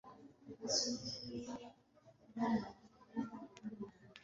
Hutokea sana kwa wazee na wanawake.